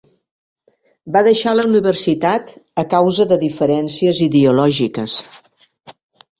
Va deixar la universitat a causa de diferències ideològiques.